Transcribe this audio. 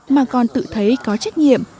mà còn tự thấy có trách nhiệm